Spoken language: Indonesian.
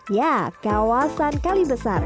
ya kawasan kali besar